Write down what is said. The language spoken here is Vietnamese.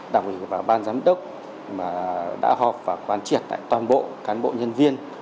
đặc biệt là ban giám đốc đã họp và quan triệt toàn bộ cán bộ nhân viên